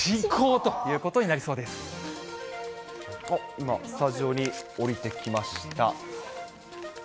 今、スタジオにおりてきました。